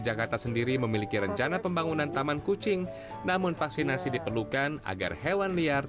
jakarta sendiri memiliki rencana pembangunan taman kucing namun vaksinasi diperlukan agar hewan liar